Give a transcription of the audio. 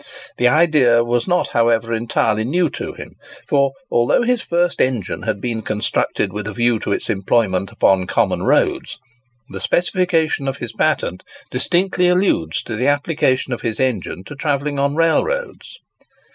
The idea was not, however, entirely new to him; for, although his first engine had been constructed with a view to its employment upon common roads, the specification of his patent distinctly alludes to the application of his engine to travelling on railroads.